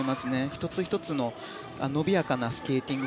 １つ１つの伸びやかなスケーティング。